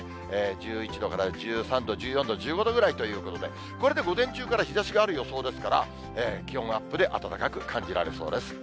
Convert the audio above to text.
１１度から１３度、１４度、１５度ぐらいということで、これで午前中から日ざしがある予想ですから、気温アップで暖かく感じられそうです。